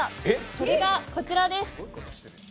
それがこちらです。